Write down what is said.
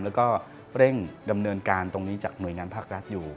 แล้วก็เร่งดำเนินการตรงนี้จากหน่วยงานภาครัฐอยู่